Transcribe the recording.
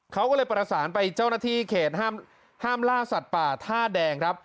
เขาก็เลยประสานไปเจ้าหน้าที่เขตห้ามล่าสัตว์ป่าท่าแดงครับ